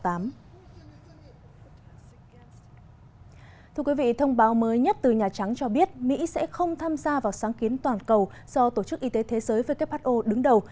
thông báo mới nhất từ nhà trắng cho biết mỹ sẽ không tham gia vào sáng kiến toàn cầu do tổ chức y tế thế giới who đứng đầu